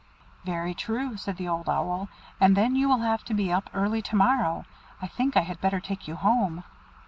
"Very true," said the Old Owl, "and then you will have to be up early to morrow. I think I had better take you home."